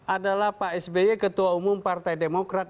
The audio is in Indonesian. adalah pak sby ketua umum partai demokrat